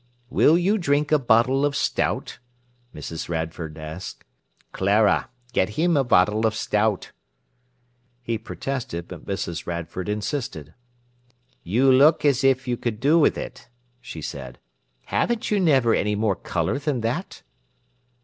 "Will you drink a bottle of stout?" Mrs. Radford asked. "Clara, get him a bottle of stout." He protested, but Mrs. Radford insisted. "You look as if you could do with it," she said. "Haven't you never any more colour than that?"